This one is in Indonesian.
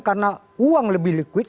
karena uang lebih liquid